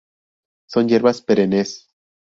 Son hierbas, perennes.